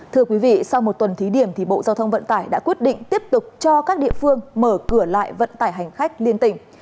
thưa quý vị sau một tuần thí điểm thì bộ giao thông vận tải đã quyết định tiếp tục cho các địa phương mở cửa lại vận tải hành khách liên tỉnh